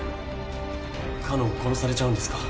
かのん殺されちゃうんですか？